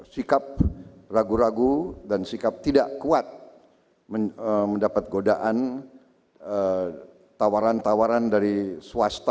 sikap ragu ragu dan sikap tidak kuat mendapat godaan tawaran tawaran dari swasta